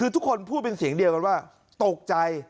คือทุกคนพูดเป็นเสียงเดียวกันว่าตกใจ